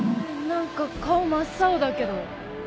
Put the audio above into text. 何か顔真っ青だけど。